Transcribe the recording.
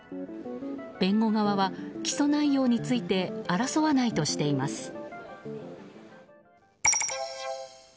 弁護側は起訴内容について争わないとしています。